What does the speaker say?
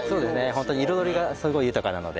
ホントに彩りがすごい豊かなので。